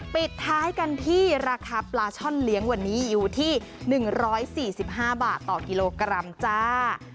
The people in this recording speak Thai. ปิดท้ายกันที่ราคาปลาช่อนเลี้ยงวันนี้อยู่ที่๑๔๕บาทต่อกิโลกรัมจ้า